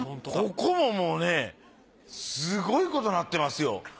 ここももうねすごいことになってますよ。